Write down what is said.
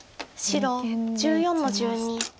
白１４の十二。